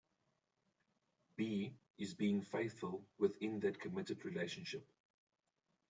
B is being faithful within that committed relationship.